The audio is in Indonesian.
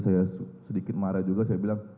saya sedikit marah juga saya bilang